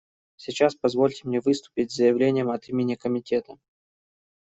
Сейчас позвольте мне выступить с заявлением от имени Комитета.